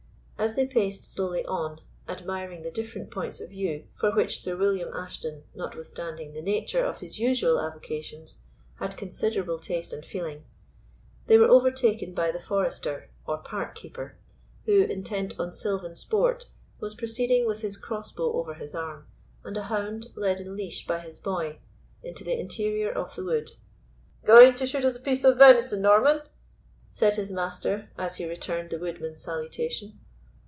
As they paced slowly on, admiring the different points of view, for which Sir William Ashton, notwithstanding the nature of his usual avocations, had considerable taste and feeling, they were overtaken by the forester, or park keeper, who, intent on silvan sport, was proceeding with his crossbow over his arm, and a hound led in leash by his boy, into the interior of the wood. "Going to shoot us a piece of venison, Norman?" said his master, as he returned the woodsman's salutation.